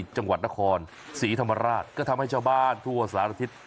จังหวัดนครศรีธรรมราชก็ทำให้ชาวบ้านทั่วสารทิศ